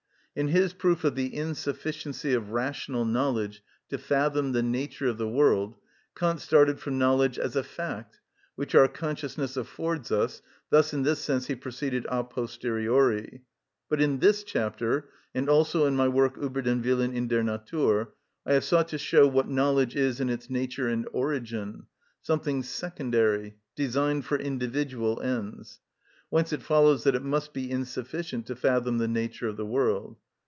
In his proof of the insufficiency of rational knowledge to fathom the nature of the world Kant started from knowledge as a fact, which our consciousness affords us, thus in this sense he proceeded a posteriori. But in this chapter, and also in my work, "Ueber den Willen in der Natur," I have sought to show what knowledge is in its nature and origin, something secondary, designed for individual ends; whence it follows that it must be insufficient to fathom the nature of the world.